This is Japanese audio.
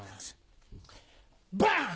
バン！